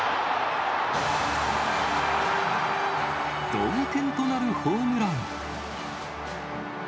同点となるホームラン。